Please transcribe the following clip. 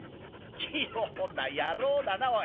「器用な野郎だなおい。